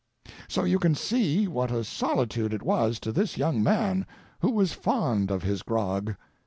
"So you can see what a solitude it was to this young man, who was fond of his grog.